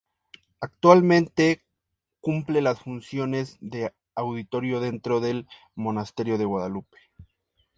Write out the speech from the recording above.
Actualmente cumple las funciones de auditorio dentro del monasterio de Guadalupe.